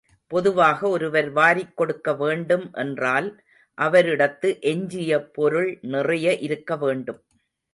பொதுவாக ஒருவர் வாரிக்கொடுக்க வேண்டும் என்றால் அவரிடத்து எஞ்சிய பொருள் நிறைய இருக்கவேண்டும்.